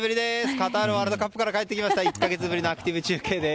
カタールワールドカップから帰ってきました１か月ぶりのアクティブ中継です。